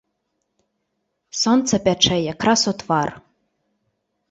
Сонца пячэ якраз у твар.